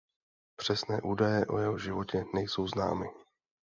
Přesné údaje o jeho životě nejsou známy.